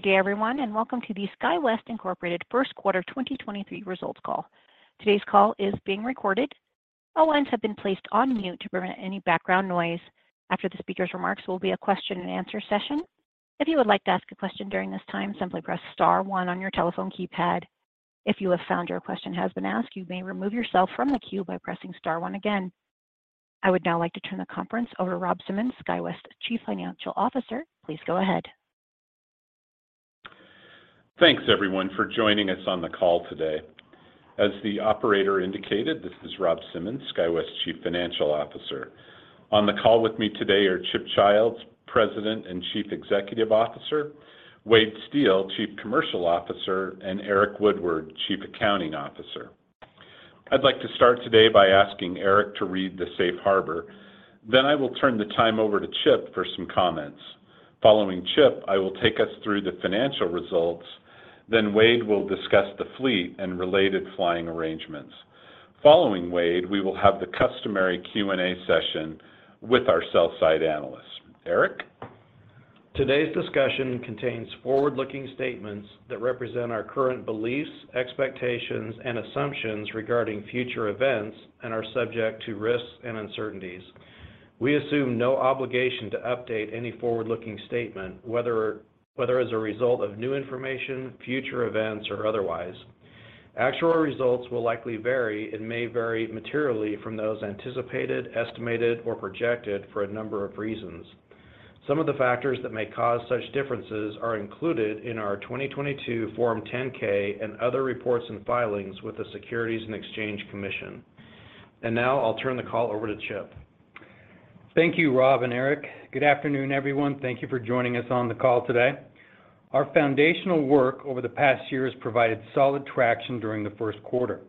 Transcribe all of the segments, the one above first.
Good day, everyone, and welcome to the SkyWest, Inc. first quarter 2023 results call. Today's call is being recorded. All lines have been placed on mute to prevent any background noise. After the speaker's remarks will be a question-and-answer session. If you would like to ask a question during this time, simply press star one on your telephone keypad. If you have found your question has been asked, you may remove yourself from the queue by pressing star one again. I would now like to turn the conference over to Rob Simmons, SkyWest's Chief Financial Officer. Please go ahead. Thanks, everyone, for joining us on the call today. As the operator indicated, this is Rob Simmons, SkyWest's Chief Financial Officer. On the call with me today are Chip Childs, President and Chief Executive Officer, Wade Steel, Chief Commercial Officer, and Eric Woodward, Chief Accounting Officer. I'd like to start today by asking Eric to read the Safe Harbor. I will turn the time over to Chip for some comments. Following Chip, I will take us through the financial results. Wade will discuss the fleet and related flying arrangements. Following Wade, we will have the customary Q&A session with our sell-side analysts. Eric? Today's discussion contains forward-looking statements that represent our current beliefs, expectations, and assumptions regarding future events and are subject to risks and uncertainties. We assume no obligation to update any forward-looking statement, whether as a result of new information, future events, or otherwise. Actual results will likely vary and may vary materially from those anticipated, estimated, or projected for a number of reasons. Some of the factors that may cause such differences are included in our 2022 Form 10-K and other reports and filings with the Securities and Exchange Commission. Now I'll turn the call over to Chip. Thank you, Rob and Eric. Good afternoon, everyone. Thank you for joining us on the call today. Our foundational work over the past year has provided solid traction during the first quarter.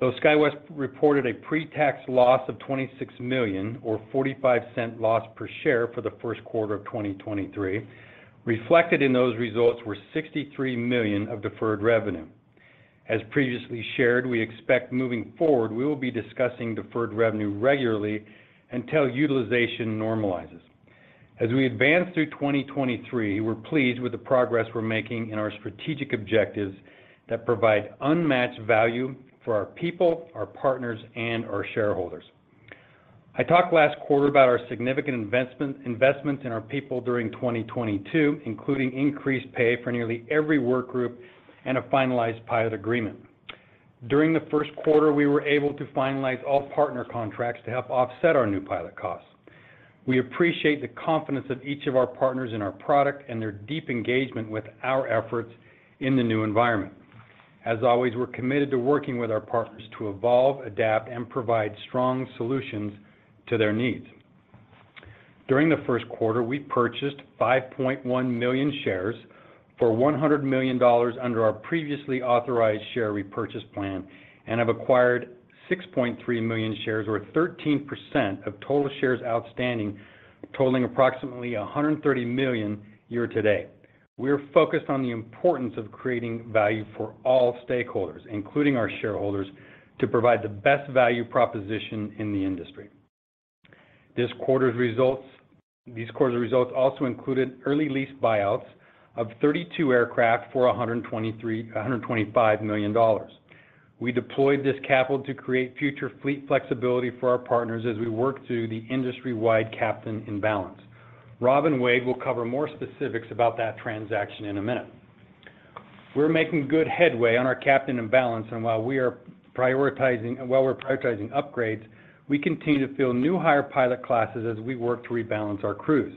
Though SkyWest reported a pre-tax loss of $26 million or $0.45 loss per share for the first quarter of 2023, reflected in those results were $63 million of deferred revenue. As previously shared, we expect moving forward, we will be discussing deferred revenue regularly until utilization normalizes. As we advance through 2023, we're pleased with the progress we're making in our strategic objectives that provide unmatched value for our people, our partners, and our shareholders. I talked last quarter about our significant investments in our people during 2022, including increased pay for nearly every work group and a finalized pilot agreement. During the first quarter, we were able to finalize all partner contracts to help offset our new pilot costs. We appreciate the confidence of each of our partners in our product and their deep engagement with our efforts in the new environment. As always, we're committed to working with our partners to evolve, adapt, and provide strong solutions to their needs. During the first quarter, we purchased 5.1 million shares for $100 million under our previously authorized share repurchase plan and have acquired 6.3 million shares, or 13% of total shares outstanding, totaling approximately $130 million year to date. We are focused on the importance of creating value for all stakeholders, including our shareholders, to provide the best value proposition in the industry. These quarter results also included early lease buyouts of 32 aircraft for $125 million. We deployed this capital to create future fleet flexibility for our partners as we work through the industry-wide captain imbalance. Rob and Wade will cover more specifics about that transaction in a minute. We're making good headway on our captain imbalance, and while we're prioritizing upgrades, we continue to fill new hire pilot classes as we work to rebalance our crews.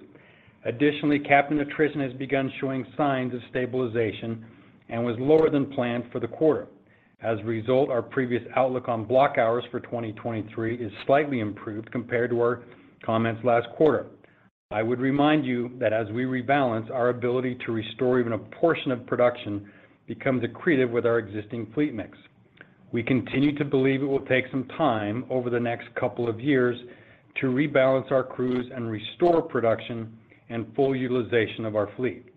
Additionally, captain attrition has begun showing signs of stabilization and was lower than planned for the quarter. As a result, our previous outlook on block hours for 2023 is slightly improved compared to our comments last quarter. I would remind you that as we rebalance, our ability to restore even a portion of production becomes accretive with our existing fleet mix. We continue to believe it will take some time over the next couple of years to rebalance our crews and restore production and full utilization of our fleet.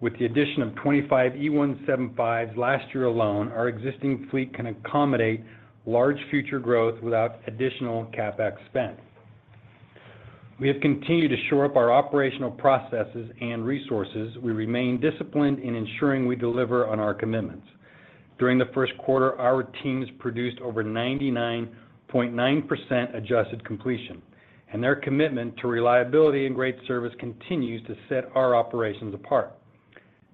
With the addition of 25 E175s last year alone, our existing fleet can accommodate large future growth without additional CapEx spend. We have continued to shore up our operational processes and resources. We remain disciplined in ensuring we deliver on our commitments. During the first quarter, our teams produced over 99.9% adjusted completion, and their commitment to reliability and great service continues to set our operations apart.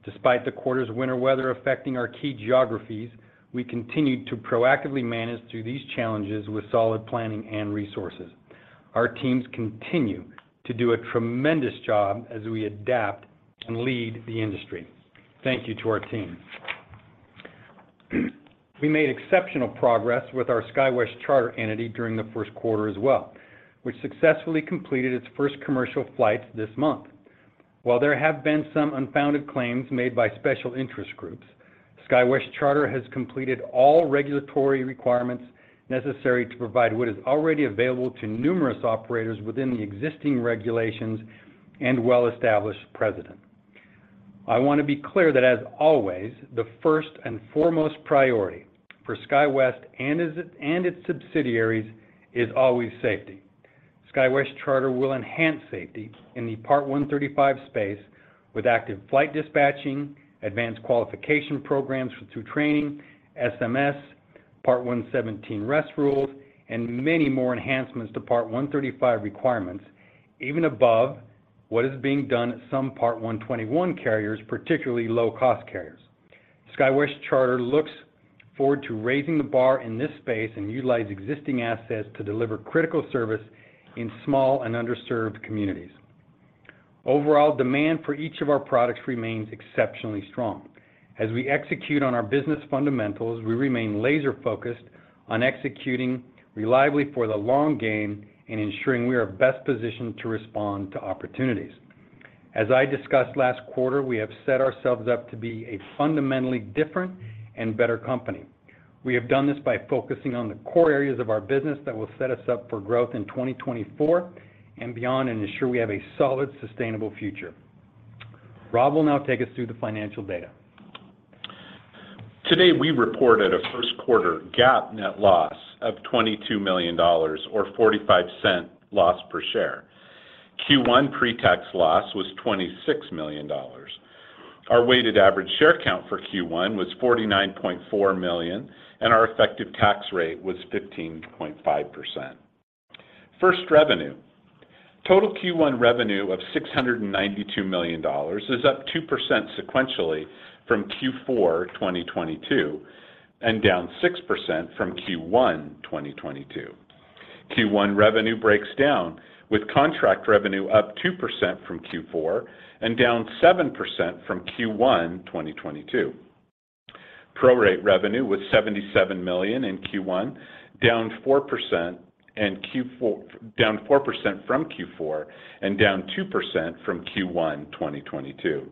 Despite the quarter's winter weather affecting our key geographies, we continued to proactively manage through these challenges with solid planning and resources. Our teams continue to do a tremendous job as we adapt and lead the industry. Thank you to our teams. We made exceptional progress with our SkyWest Charter entity during the first quarter as well, which successfully completed its first commercial flight this month. While there have been some unfounded claims made by special interest groups, SkyWest Charter has completed all regulatory requirements necessary to provide what is already available to numerous operators within the existing regulations and well-established precedent. I want to be clear that, as always, the first and foremost priority for SkyWest and its subsidiaries is always safety. SkyWest Charter will enhance safety in the Part 135 space with active flight dispatching, Advanced Qualification Programs through training, SMS, Part 117 rest rules, and many more enhancements to Part 135 requirements, even above what is being done at some Part 121 carriers, particularly low-cost carriers. SkyWest Charter looks forward to raising the bar in this space and utilize existing assets to deliver critical service in small and underserved communities. Overall, demand for each of our products remains exceptionally strong. As we execute on our business fundamentals, we remain laser-focused on executing reliably for the long game and ensuring we are best positioned to respond to opportunities. As I discussed last quarter, we have set ourselves up to be a fundamentally different and better company. We have done this by focusing on the core areas of our business that will set us up for growth in 2024 and beyond and ensure we have a solid, sustainable future. Rob will now take us through the financial data. Today, we reported a first quarter GAAP net loss of $22 million or $0.45 loss per share. Q1 pre-tax loss was $26 million. Our weighted average share count for Q1 was 49.4 million. Our effective tax rate was 15.5%. First, revenue. Total Q1 revenue of $692 million is up 2% sequentially from Q4 2022 and down 6% from Q1 2022. Q1 revenue breaks down with contract revenue up 2% from Q4 and down 7% from Q1 2022. Prorate revenue was $77 million in Q1, down 4% from Q4 and down 2% from Q1 2022.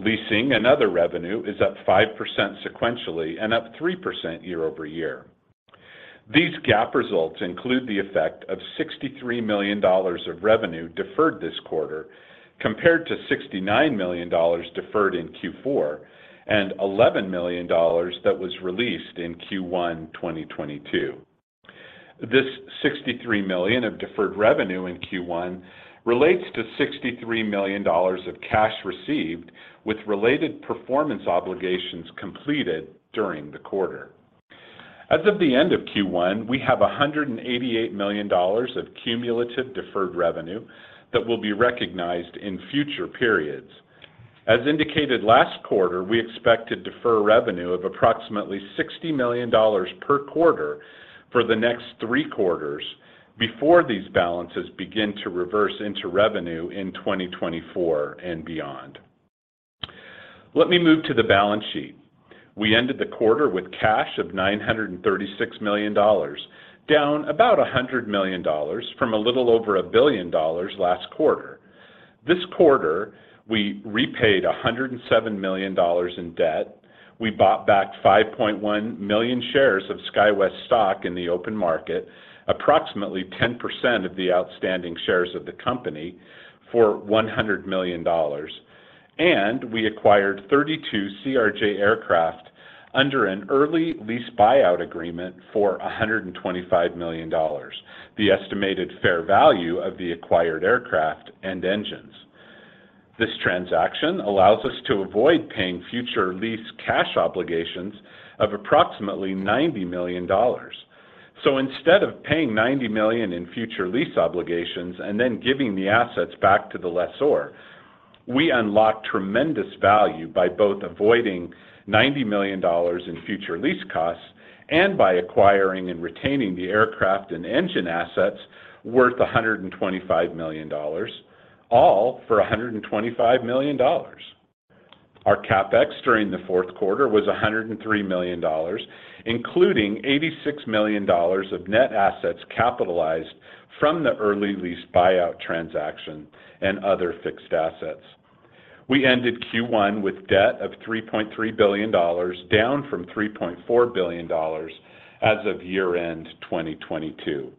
Leasing another revenue is up 5% sequentially and up 3% year-over-year. These GAAP results include the effect of $63 million of revenue deferred this quarter compared to $69 million deferred in Q4 and $11 million that was released in Q1 2022. This $63 million of deferred revenue in Q1 relates to $63 million of cash received with related performance obligations completed during the quarter. As of the end of Q1, we have $188 million of cumulative deferred revenue that will be recognized in future periods. As indicated last quarter, we expect to defer revenue of approximately $60 million per quarter for the next three quarters before these balances begin to reverse into revenue in 2024 and beyond. Let me move to the balance sheet. We ended the quarter with cash of $936 million, down about $100 million from a little over $1 billion last quarter. This quarter, we repaid $107 million in debt. We bought back 5.1 million shares of SkyWest stock in the open market, approximately 10% of the outstanding shares of the company for $100 million. We acquired 32 CRJ aircraft under an early lease buyout agreement for $125 million, the estimated fair value of the acquired aircraft and engines. This transaction allows us to avoid paying future lease cash obligations of approximately $90 million. Instead of paying $90 million in future lease obligations and then giving the assets back to the lessor, we unlock tremendous value by both avoiding $90 million in future lease costs and by acquiring and retaining the aircraft and engine assets worth $125 million, all for $125 million. Our CapEx during the fourth quarter was $103 million, including $86 million of net assets capitalized from the early lease buyout transaction and other fixed assets. We ended Q1 with debt of $3.3 billion, down from $3.4 billion as of year-end 2022.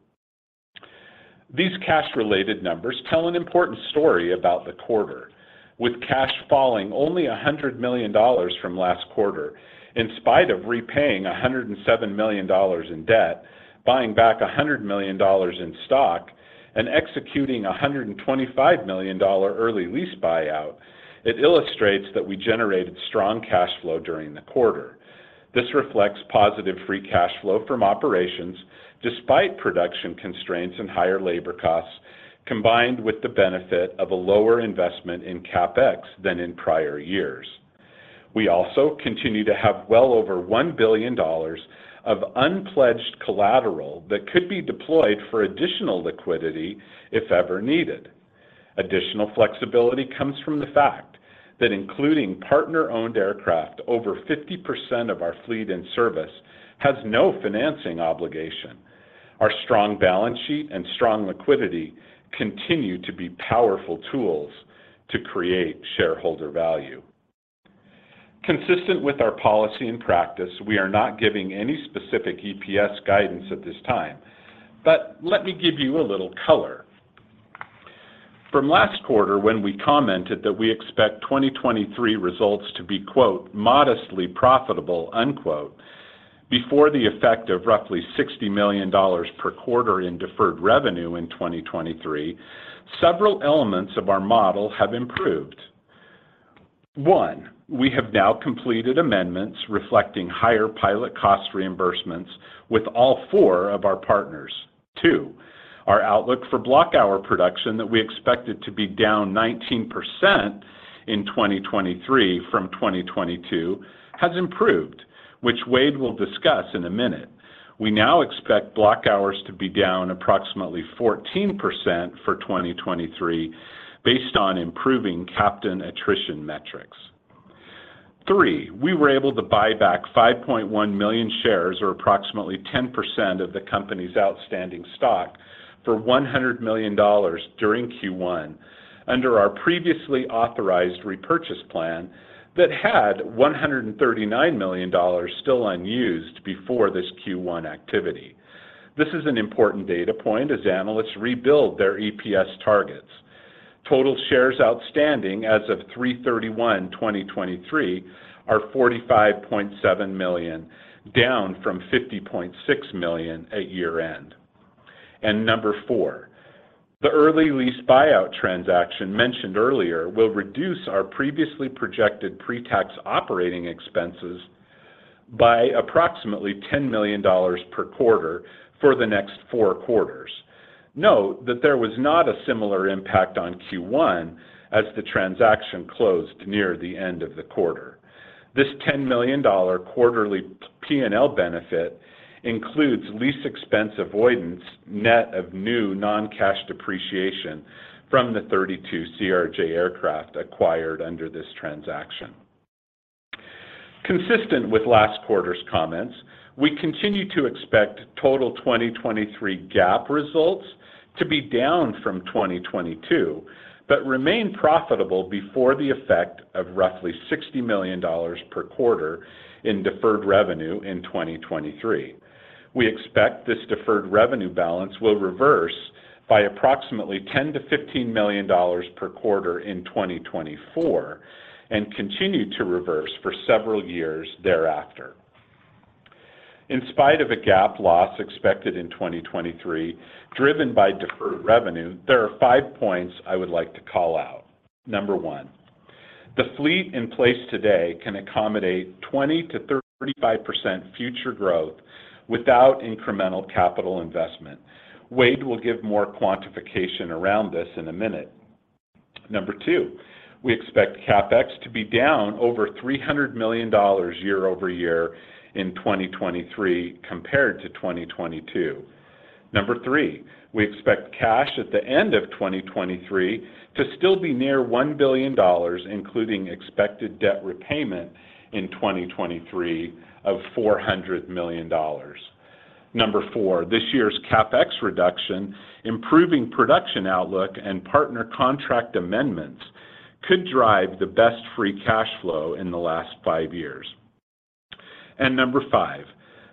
These cash-related numbers tell an important story about the quarter. With cash falling only $100 million from last quarter, in spite of repaying $107 million in debt, buying back $100 million in stock, and executing a $125 million early lease buyout, it illustrates that we generated strong cash flow during the quarter. This reflects positive free cash flow from operations despite production constraints and higher labor costs, combined with the benefit of a lower investment in CapEx than in prior years. We also continue to have well over $1 billion of unpledged collateral that could be deployed for additional liquidity if ever needed. Additional flexibility comes from the fact that including partner-owned aircraft, over 50% of our fleet in service has no financing obligation. Our strong balance sheet and strong liquidity continue to be powerful tools to create shareholder value. Consistent with our policy and practice, we are not giving any specific EPS guidance at this time, but let me give you a little color. From last quarter when we commented that we expect 2023 results to be, quote, modestly profitable, unquote, before the effect of roughly $60 million per quarter in deferred revenue in 2023, several elements of our model have improved. One, we have now completed amendments reflecting higher pilot cost reimbursements with all four of our partners. Two, our outlook for block hour production that we expected to be down 19% in 2023 from 2022 has improved, which Wade will discuss in a minute. We now expect block hours to be down approximately 14% for 2023 based on improving captain attrition metrics. Three, we were able to buy back 5.1 million shares or approximately 10% of the company's outstanding stock for $100 million during Q1 under our previously authorized repurchase plan that had $139 million still unused before this Q1 activity. This is an important data point as analysts rebuild their EPS targets. Total shares outstanding as of 3/31/2023 are 45.7 million, down from 50.6 million at year-end. Number four, the early lease buyout transaction mentioned earlier will reduce our previously projected pre-tax operating expenses by approximately $10 million per quarter for the next 4 quarters. Note that there was not a similar impact on Q1 as the transaction closed near the end of the quarter. This $10 million quarterly P&L benefit includes lease expense avoidance net of new non-cash depreciation from the 32 CRJ aircraft acquired under this transaction. Consistent with last quarter's comments, we continue to expect total 2023 GAAP results to be down from 2022, but remain profitable before the effect of roughly $60 million per quarter in deferred revenue in 2023. We expect this deferred revenue balance will reverse by approximately $10 million-$15 million per quarter in 2024 and continue to reverse for several years thereafter. In spite of a GAAP loss expected in 2023 driven by deferred revenue, there are five points I would like to call out. Number one, the fleet in place today can accommodate 20%-35% future growth without incremental capital investment. Wade will give more quantification around this in a minute. Number two, we expect CapEx to be down over $300 million year-over-year in 2023 compared to 2022. Number three, we expect cash at the end of 2023 to still be near $1 billion, including expected debt repayment in 2023 of $400 million. Number four, this year's CapEx reduction, improving production outlook, and partner contract amendments could drive the best free cash flow in the last five years. Number five,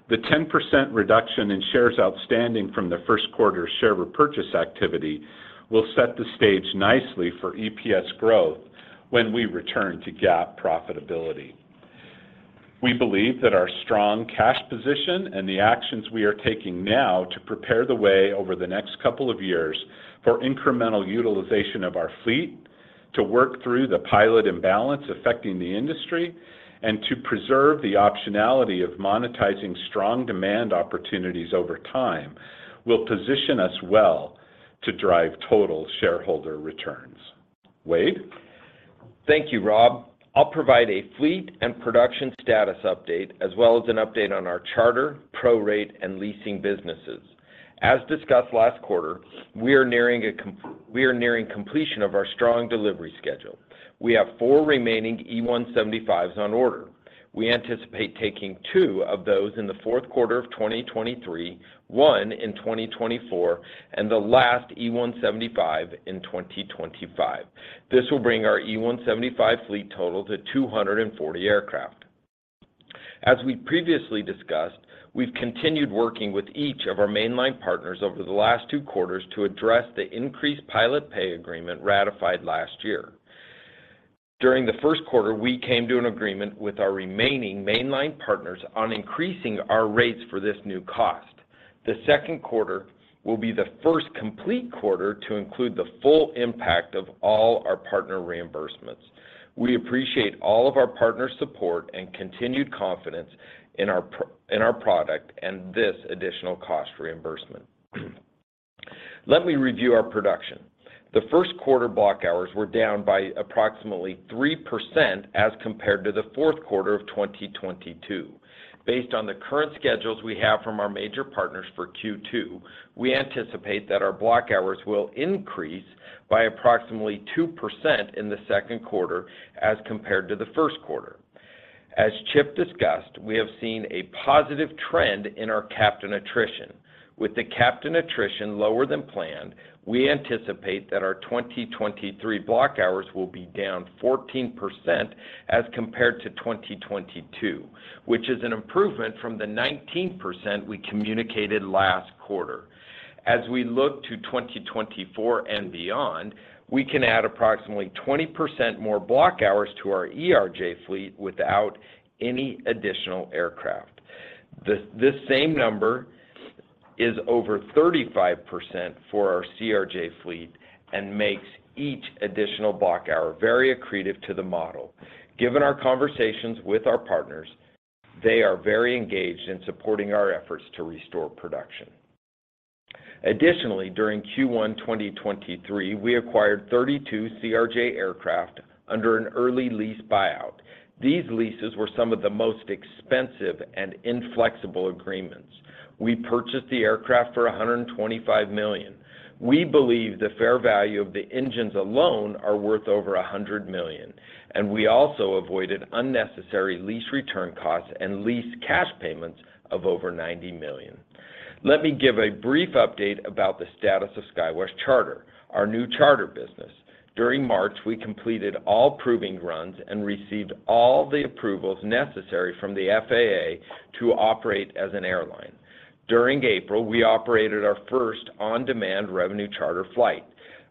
the 10% reduction in shares outstanding from the first quarter share repurchase activity will set the stage nicely for EPS growth when we return to GAAP profitability. We believe that our strong cash position and the actions we are taking now to prepare the way over the next couple of years for incremental utilization of our fleet to work through the pilot imbalance affecting the industry and to preserve the optionality of monetizing strong demand opportunities over time will position us well to drive total shareholder returns. Wade? Thank you, Rob. I'll provide a fleet and production status update as well as an update on our charter, prorate, and leasing businesses. As discussed last quarter, we are nearing completion of our strong delivery schedule. We have 4 remaining E175s on order. We anticipate taking 2 of those in the fourth quarter of 2023, 1 in 2024, and the last E175 in 2025. This will bring our E175 fleet total to 240 aircraft. As we previously discussed, we've continued working with each of our mainline partners over the last 2 quarters to address the increased pilot pay agreement ratified last year. During the first quarter, we came to an agreement with our remaining mainline partners on increasing our rates for this new cost. The second quarter will be the first complete quarter to include the full impact of all our partner reimbursements. We appreciate all of our partners' support and continued confidence in our product and this additional cost reimbursement. Let me review our production. The first quarter block hours were down by approximately 3% as compared to the fourth quarter of 2022. Based on the current schedules we have from our major partners for Q2, we anticipate that our block hours will increase by approximately 2% in the second quarter as compared to the first quarter. As Chip discussed, we have seen a positive trend in our captain attrition. With the captain attrition lower than planned, we anticipate that our 2023 block hours will be down 14% as compared to 2022, which is an improvement from the 19% we communicated last quarter. We look to 2024 and beyond, we can add approximately 20% more block hours to our ERJ fleet without any additional aircraft. This same number is over 35% for our CRJ fleet and makes each additional block hour very accretive to the model. Given our conversations with our partners, they are very engaged in supporting our efforts to restore production. During Q1 2023, we acquired 32 CRJ aircraft under an early lease buyout. These leases were some of the most expensive and inflexible agreements. We purchased the aircraft for $125 million. We believe the fair value of the engines alone are worth over $100 million. We also avoided unnecessary lease return costs and lease cash payments of over $90 million. Let me give a brief update about the status of SkyWest Charter, our new charter business. During March, we completed all proving runs and received all the approvals necessary from the FAA to operate as an airline. During April, we operated our first on-demand revenue charter flight.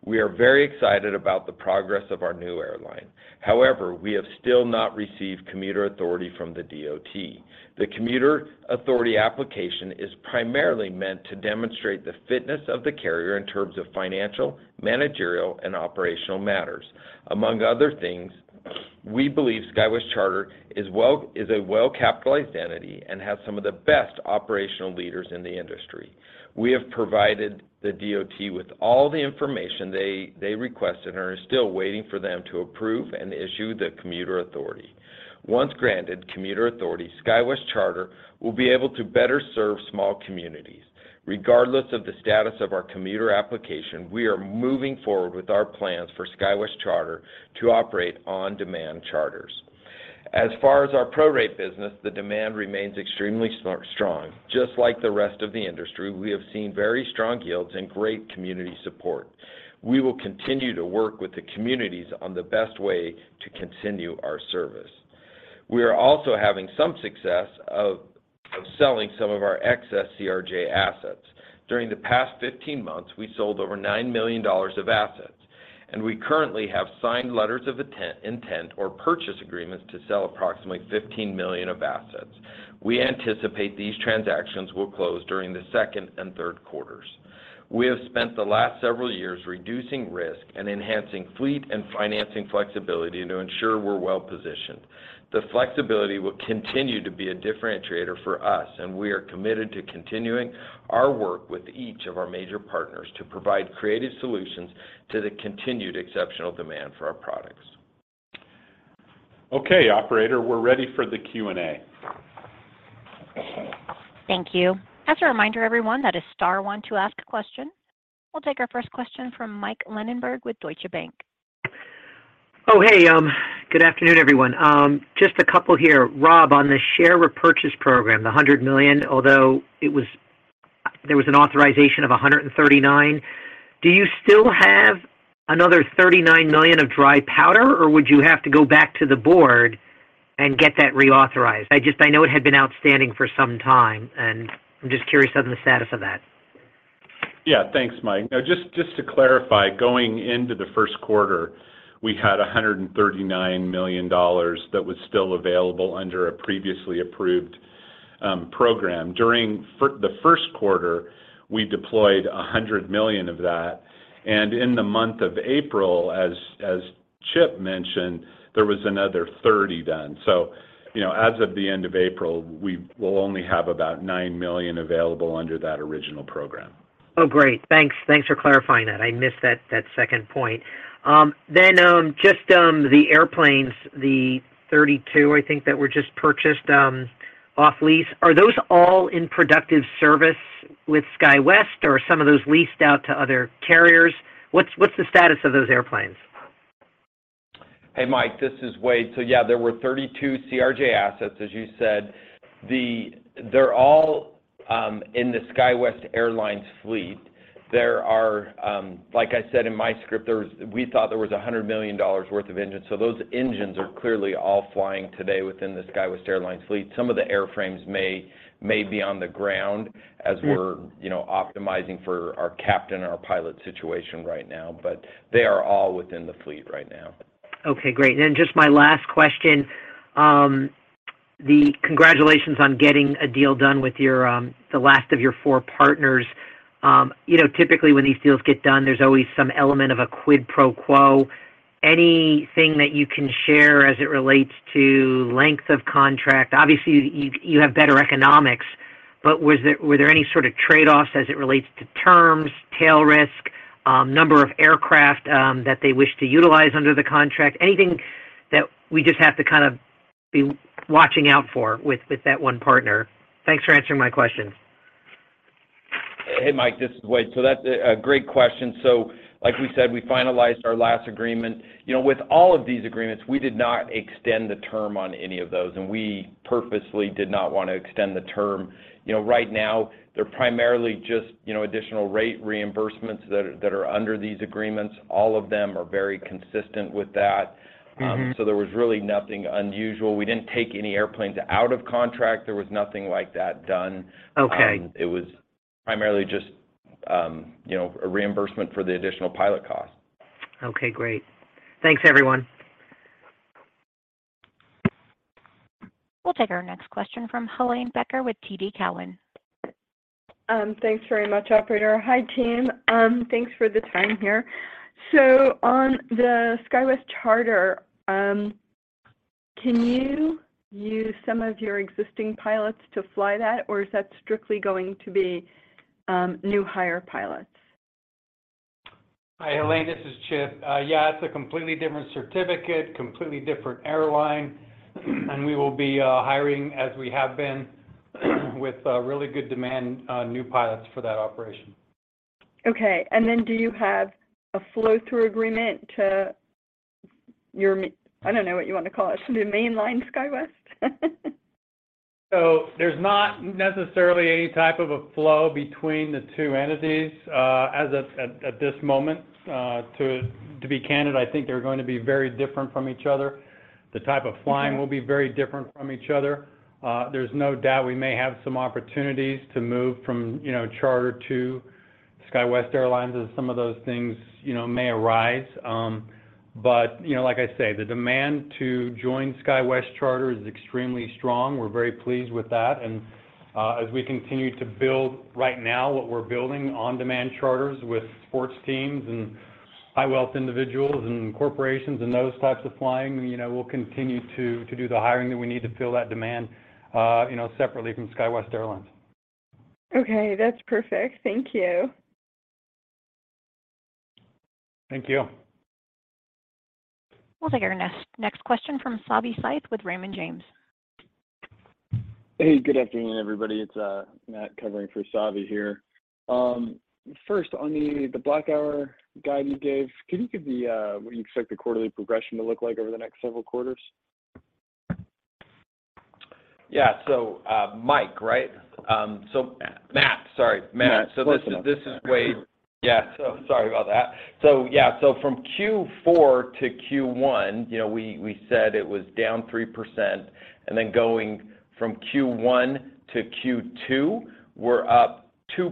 We are very excited about the progress of our new airline. However, we have still not received commuter authority from the DOT. The commuter authority application is primarily meant to demonstrate the fitness of the carrier in terms of financial, managerial, and operational matters. Among other things, we believe SkyWest Charter is a well-capitalized entity and has some of the best operational leaders in the industry. We have provided the DOT with all the information they requested and are still waiting for them to approve and issue the commuter authority. Once granted commuter authority, SkyWest Charter will be able to better serve small communities. Regardless of the status of our commuter application, we are moving forward with our plans for SkyWest Charter to operate on-demand charters. As far as our prorate business, the demand remains extremely strong. Just like the rest of the industry, we have seen very strong yields and great community support. We will continue to work with the communities on the best way to continue our service. We are also having some success of selling some of our excess CRJ assets. During the past 15 months, we sold over $9 million of assets. We currently have signed letters of intent or purchase agreements to sell approximately $15 million of assets. We anticipate these transactions will close during the second and third quarters. We have spent the last several years reducing risk and enhancing fleet and financing flexibility to ensure we're well-positioned. The flexibility will continue to be a differentiator for us. We are committed to continuing our work with each of our major partners to provide creative solutions to the continued exceptional demand for our products. Okay, operator, we're ready for the Q&A. Thank you. As a reminder, everyone, that is star one to ask a question. We'll take our first question from Mike Linenberg with Deutsche Bank. Oh, hey, good afternoon, everyone. Just a couple here. Rob, on the share repurchase program, the $100 million, although there was an authorization of 139, do you still have another $39 million of dry powder, or would you have to go back to the board and get that reauthorized? I know it had been outstanding for some time, and I'm just curious on the status of that. Yeah. Thanks, Mike. No, just to clarify, going into the first quarter, we had $139 million that was still available under a previously approved program. During the first quarter, we deployed $100 million of that, and in the month of April, as Chip mentioned, there was another 30 done. you know, as of the end of April, we will only have about $9 million available under that original program. Oh, great. Thanks. Thanks for clarifying that. I missed that second point. The airplanes, the 32, I think, that were just purchased off lease, are those all in productive service with SkyWest, or are some of those leased out to other carriers? What's the status of those airplanes? Hey, Mike, this is Wade. Yeah, there were 32 CRJ assets, as you said. They're all in the SkyWest Airlines fleet. There are, like I said in my script, we thought there was $100 million worth of engines. Those engines are clearly all flying today within the SkyWest Airlines fleet. Some of the airframes may be on the ground as we're, you know, optimizing for our captain and our pilot situation right now. They are all within the fleet right now. Okay, great. Just my last question, the congratulations on getting a deal done with your, the last of your 4 partners. You know, typically when these deals get done, there's always some element of a quid pro quo. Anything that you can share as it relates to length of contract? Obviously, you have better economics, but were there any sort of trade-offs as it relates to terms, tail risk, number of aircraft, that they wish to utilize under the contract? Anything that we just have to kind of be watching out for with that one partner? Thanks for answering my questions. Mike, this is Wade. That's a great question. Like we said, we finalized our last agreement. You know, with all of these agreements, we did not extend the term on any of those, and we purposely did not want to extend the term. You know, right now they're primarily just, you know, additional rate reimbursements that are under these agreements. All of them are very consistent with that. Mm-hmm. There was really nothing unusual. We didn't take any airplanes out of contract. There was nothing like that done. Okay. It was primarily just, you know, a reimbursement for the additional pilot costs. Okay, great. Thanks everyone. We'll take our next question from Helane Becker with TD Cowen. Thanks very much, operator. Hi, team. Thanks for the time here. On the SkyWest Charter, can you use some of your existing pilots to fly that, or is that strictly going to be new hire pilots? Hi, Helane, this is Chip. Yeah, it's a completely different certificate, completely different airline, and we will be hiring as we have been with really good demand, new pilots for that operation. Okay. Do you have a flow-through agreement to your I don't know what you want to call it, should it be mainline SkyWest? There's not necessarily any type of a flow between the two entities at this moment. To be candid, I think they're going to be very different from each other. The type of flying will be very different from each other. There's no doubt we may have some opportunities to move from, you know, charter to SkyWest Airlines as some of those things, you know, may arise. You know, like I say, the demand to join SkyWest Charter is extremely strong. We're very pleased with that. As we continue to build right now what we're building on-demand charters with sports teams and high-wealth individuals and corporations and those types of flying, you know, we'll continue to do the hiring that we need to fill that demand, you know, separately from SkyWest Airlines. Okay, that's perfect. Thank you. Thank you. We'll take our next question from Savi Syth with Raymond James. Hey, good afternoon, everybody. It's Matt covering for Savi here. First on the block hour guide you gave, can you give the what you expect the quarterly progression to look like over the next several quarters? Yeah. Mike, right? Matt. Matt, sorry. Matt. Matt. Close enough. This is Wade. Yeah. Sorry about that. Yeah, from Q4 to Q1, you know, we said it was down 3%, and then going from Q1 to Q2, we're up 2%.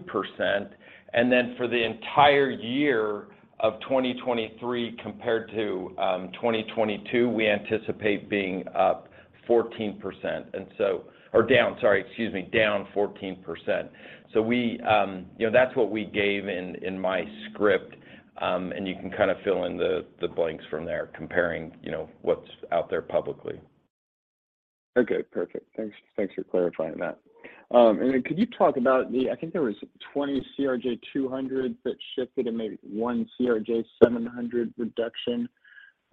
Then for the entire year of 2023 compared to 2022, we anticipate being up 14%. Or down, sorry. Excuse me. Down 14%. We, you know, that's what we gave in my script, and you can kind of fill in the blanks from there comparing, you know, what's out there publicly. Okay. Perfect. Thanks, thanks for clarifying that. Then could you talk about the... I think there was 20 CRJ200 that shifted and maybe 1 CRJ700 reduction.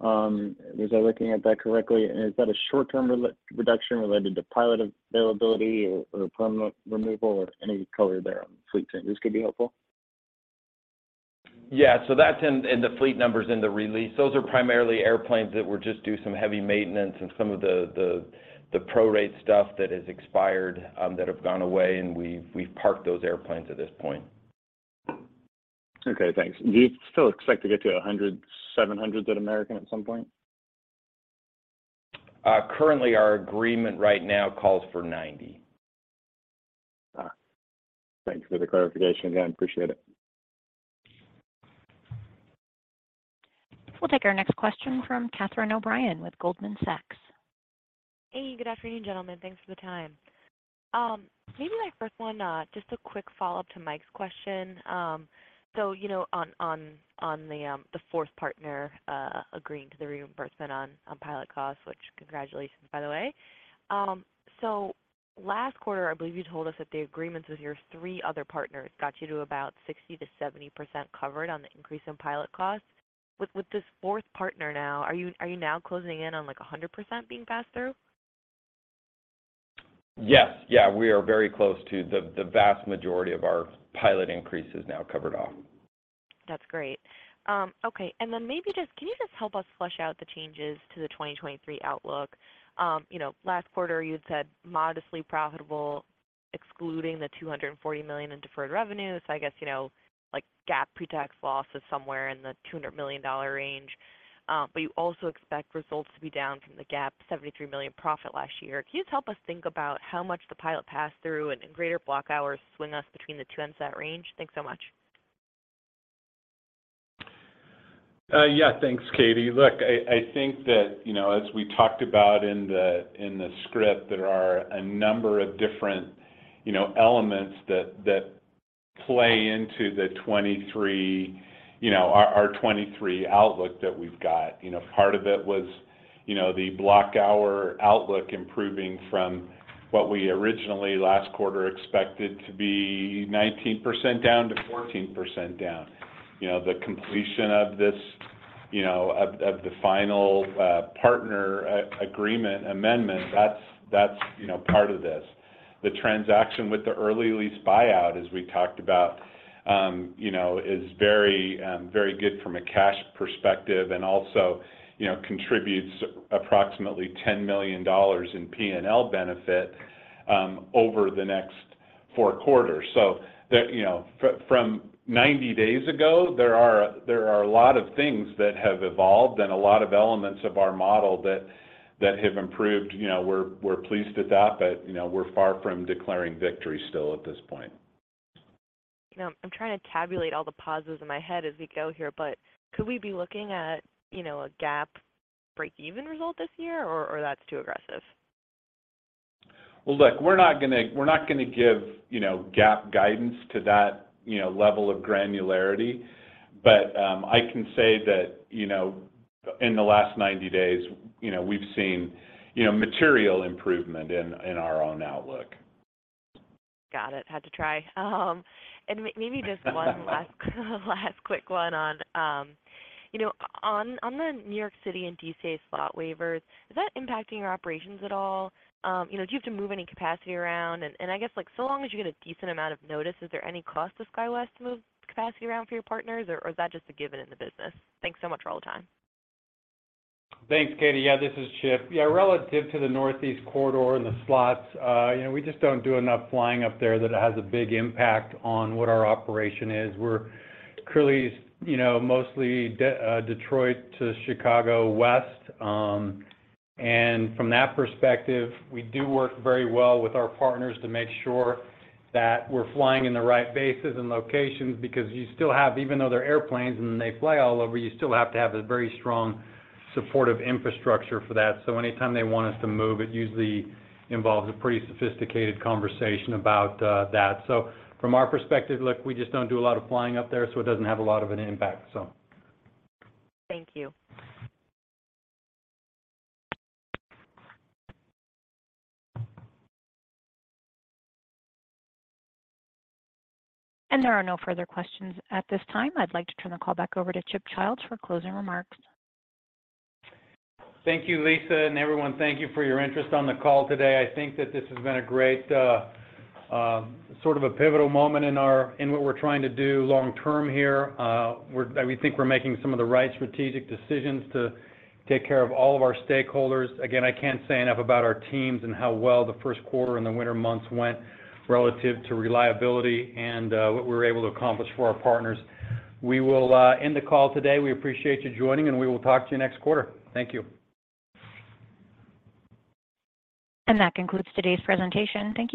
Was I looking at that correctly? Is that a short-term reduction related to pilot availability or permanent removal or any color there on fleet changes could be helpful. Yeah. That's in the fleet numbers in the release. Those are primarily airplanes that were just due some heavy maintenance and some of the prorate stuff that has expired, that have gone away, and we've parked those airplanes at this point. Okay, thanks. Do you still expect to get to 100 CRJ700s at American at some point? Currently, our agreement right now calls for 90. Thank you for the clarification. Yeah, I appreciate it. We'll take our next question from Catherine O'Brien with Goldman Sachs. Hey, good afternoon, gentlemen. Thanks for the time. Maybe my first one, just a quick follow-up to Mike's question. You know, on the fourth partner agreeing to the reimbursement on pilot costs, which congratulations by the way. Last quarter, I believe you told us that the agreements with your 3 other partners got you to about 60%-70% covered on the increase in pilot costs. With this fourth partner now, are you now closing in on, like, 100% being passed through? Yes. Yeah. We are very close to the vast majority of our pilot increase is now covered off. That's great. Okay. Can you just help us flush out the changes to the 2023 outlook? You know, last quarter you had said modestly profitable excluding the $240 million in deferred revenue. I guess, you know, like GAAP pre-tax loss is somewhere in the $200 million range. You also expect results to be down from the GAAP $73 million profit last year. Can you just help us think about how much the pilot pass-through and then greater block hours swing us between the two ends of that range? Thanks so much. Yeah. Thanks, Catie. Look, I think that, you know, as we talked about in the script, there are a number of different, you know, elements that play into the 2023, you know, our 2023 outlook that we've got. You know, part of it was, you know, the block hour outlook improving from what we originally last quarter expected to be 19% down to 14% down. You know, the completion of this, you know, of the final partner agreement amendment, that's, you know, part of this. The transaction with the early lease buyout, as we talked about, you know, is very, very good from a cash perspective and also, you know, contributes approximately $10 million in P&L benefit over the next four quarters. The, you know, from 90 days ago, there are a lot of things that have evolved and a lot of elements of our model that have improved. You know, we're pleased with that, but, you know, we're far from declaring victory still at this point. You know, I'm trying to tabulate all the pauses in my head as we go here, but could we be looking at, you know, a GAAP breakeven result this year, or that's too aggressive? Well, look, we're not gonna, we're not gonna give, you know, GAAP guidance to that, you know, level of granularity. I can say that, you know, in the last 90 days, you know, we've seen, you know, material improvement in our own outlook. Got it. Had to try. Maybe just one last quick one on, you know, on the New York City and D.C. slot waivers, is that impacting your operations at all? You know, do you have to move any capacity around? I guess, like, so long as you get a decent amount of notice, is there any cost to SkyWest to move capacity around for your partners, or is that just a given in the business? Thanks so much for all the time. Thanks, Catie. This is Chip. Relative to the Northeast Corridor and the slots, you know, we just don't do enough flying up there that it has a big impact on what our operation is. We're clearly, you know, mostly Detroit to Chicago West. From that perspective, we do work very well with our partners to make sure that we're flying in the right bases and locations because you still have. Even though they're airplanes and they fly all over, you still have to have a very strong, supportive infrastructure for that. Anytime they want us to move, it usually involves a pretty sophisticated conversation about that. From our perspective, look, we just don't do a lot of flying up there, so it doesn't have a lot of an impact, so. Thank you. There are no further questions at this time. I'd like to turn the call back over to Chip Childs for closing remarks. Thank you, Lisa, and everyone, thank you for your interest on the call today. I think that this has been a great, sort of a pivotal moment in what we're trying to do long term here. I really think we're making some of the right strategic decisions to take care of all of our stakeholders. Again, I can't say enough about our teams and how well the first quarter and the winter months went relative to reliability and what we were able to accomplish for our partners. We will end the call today. We appreciate you joining, and we will talk to you next quarter. Thank you. That concludes today's presentation. Thank you.